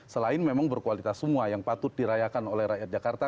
selain memang berkualitas semua yang patut dirayakan oleh rakyat jakarta